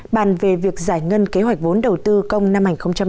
bàn về việc giải ngân kế hoạch vốn đầu tư công năm hai nghìn một mươi bảy